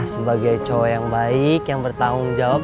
sebagai cowo yang baik bertanggung jawab